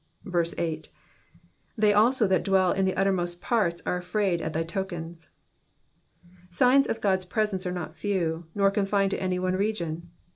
8. ^^They also that dwell in the uttermost parts are afraid of thy tolcensy Signs of God's presence are not few, nor confined to any one region.